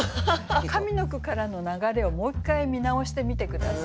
上の句からの流れをもう一回見直してみて下さい。